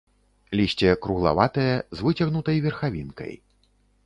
Лісце круглаватае, з выцягнутай верхавінкай.